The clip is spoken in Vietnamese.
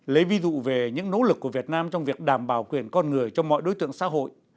lấy ví dụ về những nỗ lực của việt nam trong việc đảm bảo quyền con người cho mọi đối tượng xã hội